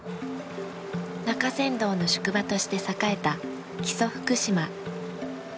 中山道の宿場として栄えた木曽福島。